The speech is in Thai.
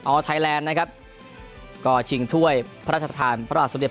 ออลอยน์ไทยแลนซ์นะครับก็ชิงถ้วยพระราชธรรพระราชศัพท์เด็ก